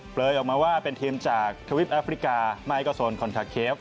เลยออกมาว่าเป็นทีมจากทวิปแอฟริกาไมโกโซนคอนทาเคฟ